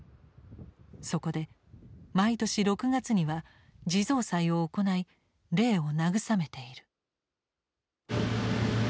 そこで毎年６月には地蔵祭を行い霊を慰めている」。